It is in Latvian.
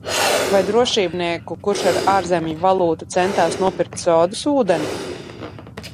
Vai drošībnieku, kurš ar ārzemju valūtu centās nopirkt sodas ūdeni?